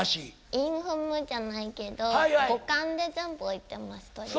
韻踏むじゃないけど五感で全部置いてます。